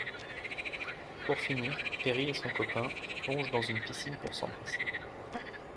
Pour finir, Perry et son copain, plongent dans une piscine pour s'embrasser.